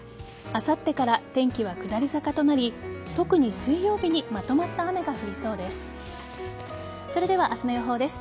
あさってから天気は下り坂となり特に水曜日にまとまった雨が降りそうです。